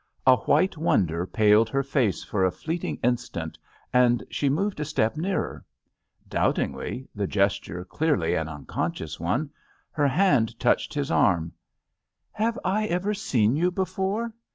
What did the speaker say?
A white wonder paled her face for a fleeting instant, and she moved a step nearer. Doubtingly, the gesture clearly an unconscious one, her hand touched his arm. "Have I ever seen you before?